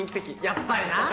やっぱりな。